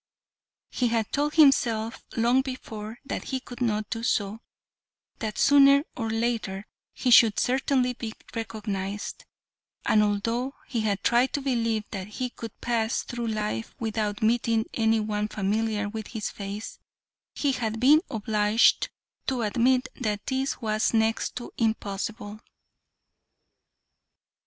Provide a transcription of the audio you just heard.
He had told himself long before that he could not do so, that sooner or later he should certainly be recognised; and although he had tried to believe that he could pass through life without meeting any one familiar with his face, he had been obliged to admit that this was next to impossible.